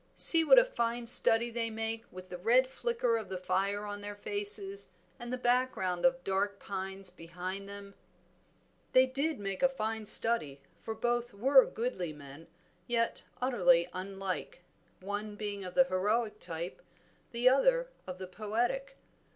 See what a fine study they make with the red flicker of the fire on their faces and the background of dark pines behind them." They did make a fine study, for both were goodly men yet utterly unlike, one being of the heroic type, the other of the poetic.